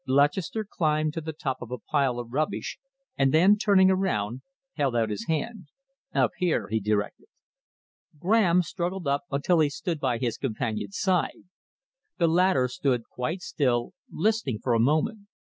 Lutchester climbed to the top of a pile of rubbish and then, turning around, held out his hand. "Up here," he directed. Graham struggled up until he stood by his companion's side. The latter stood quite still, listening for a moment.